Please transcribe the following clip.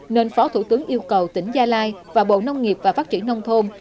nên phó thủ tướng yêu cầu tỉnh gia lai và bộ nông nghiệp và phát triển nông thôn